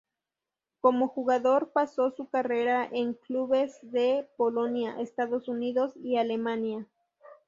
Como jugador pasó su carrera en clubes de Polonia, Estados Unidos y Alemania.